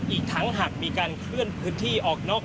อีกทั้งหากมีการเคลื่อนพื้นที่ออกนอก